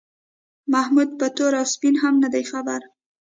محمود په تور او سپین هم نه دی خبر.